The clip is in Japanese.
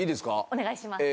お願いします